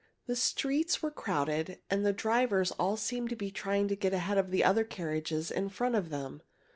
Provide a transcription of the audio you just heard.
The streets were crowded, and the drivers all seemed to be trying to get ahead of the carriages in front of them.